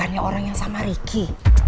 bukannya orang yang sama ricky